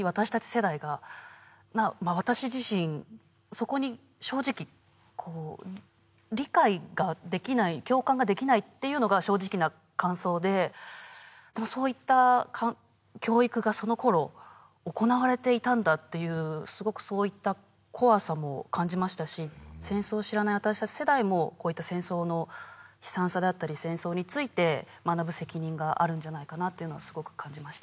世代が私自身そこに正直こう理解ができない共感ができないっていうのが正直な感想ででもそういった教育がその頃行われていたんだっていうすごくそういった怖さも感じましたし戦争を知らない私たち世代もこういった戦争の悲惨さだったり戦争について学ぶ責任があるんじゃないかなっていうのはすごく感じました